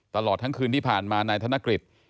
ตลอดทั้งคืนที่ผ่านมานายธนกฤษ